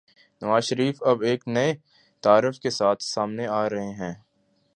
نوازشریف اب ایک نئے تعارف کے ساتھ سامنے آرہے ہیں۔